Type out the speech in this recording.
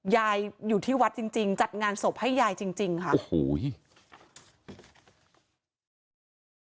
ยายอยู่ที่วัดจริงจัดงานศพให้ยายจริงค่ะ